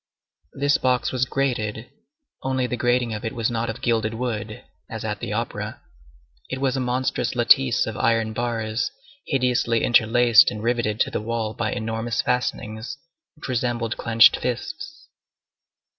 This box was grated, only the grating of it was not of gilded wood, as at the opera; it was a monstrous lattice of iron bars, hideously interlaced and riveted to the wall by enormous fastenings which resembled clenched fists.